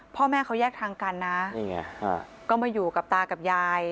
พ่อแม่เขาแยกทางกันนะนี่ไงก็มาอยู่กับตากับยาย